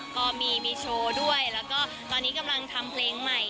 ก็มีโชว์ด้วยแล้วก็ตอนนี้กำลังทำเพลงใหม่